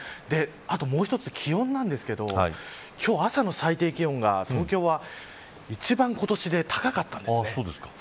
あと、もう一つ気温ですが今日は朝の最低気温が東京は一番、今年で高かったんです。